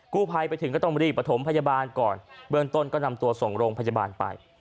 กู้ภัยไปถึงก็ต้องรีบประถมพยาบาลก่อนเบื้องต้นก็นำตัวส่งโรงพยาบาลไป